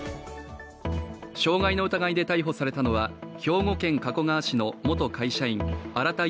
傷害の疑いで逮捕されたのは兵庫県加古川市の元会社員荒田佑